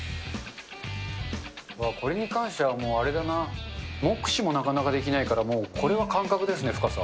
これに関しては、もうあれだな、目視もなかなかできないからもうこれは感覚ですね、深さ。